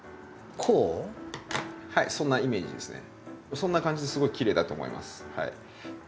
そんな感じですごいきれいだと思います。